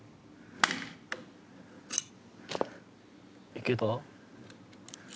いけたか？